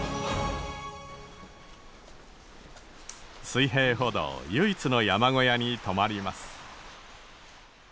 水平歩道唯一の山小屋に泊まります。